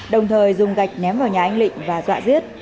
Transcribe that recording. đồng thời dùng gạch ném vào nhà anh định và dọa giết